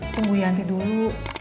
tunggu ya nanti dulu